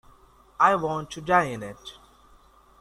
I want to die in it.